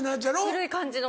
古い感じの。